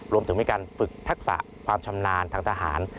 รวมถึงมีการฝึกทักษะความชำนาญทางทหาร